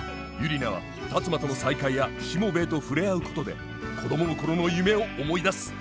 ユリナは辰馬との再会やしもべえと触れ合うことで子どもの頃の夢を思い出す。